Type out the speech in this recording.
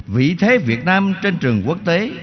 vĩ thế việt nam trên trường quốc tế